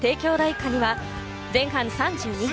可児は、前半３２分。